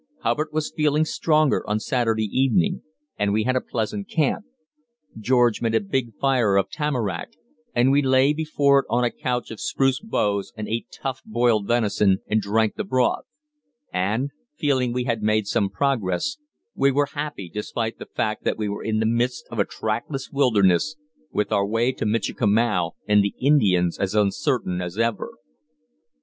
Hubbard was feeling stronger on Saturday evening, and we had a pleasant camp. George made a big fire of tamarack, and we lay before it on a couch of spruce boughs and ate tough boiled venison and drank the broth; and, feeling we had made some progress, we were happy, despite the fact that we were in the midst of a trackless wilderness with our way to Michikamau and the Indians as uncertain as ever.